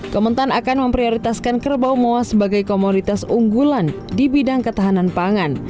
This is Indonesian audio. kementan akan memprioritaskan kerbau moa sebagai komoditas unggulan di bidang ketahanan pangan